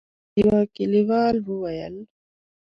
يوه کليوال وويل: